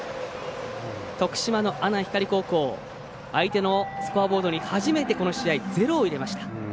徳島の阿南光高校相手のスコアボードに初めてこの試合、０を入れました。